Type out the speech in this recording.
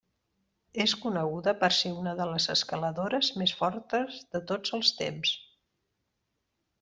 És coneguda per ser una de les escaladores més fortes de tots els temps.